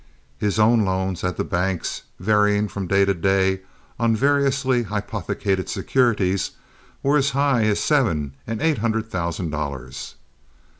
His own loans at the banks, varying from day to day on variously hypothecated securities, were as high as seven and eight hundred thousand dollars.